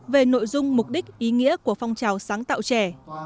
về nội dung mục đích ý nghĩa của phong trào sáng tạo trẻ